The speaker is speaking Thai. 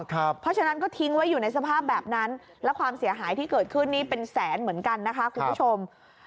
เพราะฉะนั้นก็ทิ้งไว้อยู่ในสภาพแบบนั้นและความเสียหายที่เกิดขึ้นนี่เป็นแสนเหมือนกันนะคะคุณผู้ชม